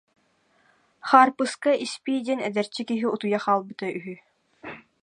Хаарпыска Испии диэн эдэрчи киһи утуйа хаалбыта үһү